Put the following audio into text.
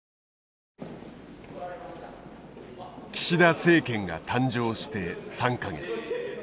岸田政権が誕生して３か月。